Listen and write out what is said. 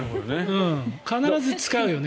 必ず使うよね。